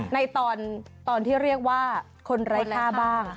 ในตอนที่เรียกว่าคนไร้ค่าบ้าง